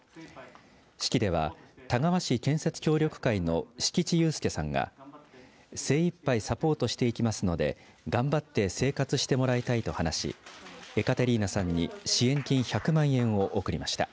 式では、田川市建設協力会の敷地雄介さんが精いっぱいサポートしていきますので頑張って生活してもらいたいと話しエカテリーナさんに支援金１００万円を贈りました。